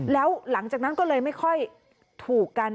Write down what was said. แล้วหลังจากนั้นก็เลยไม่ค่อยถูกกัน